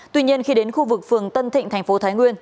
tuy nhiên khi đến khu vực phường tân thịnh thành phố thái nguyên